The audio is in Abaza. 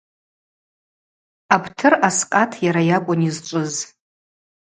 Абтыр, аскъат йара йакӏвын йызчӏвыз.